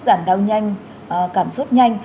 giảm đau nhanh cảm xúc nhanh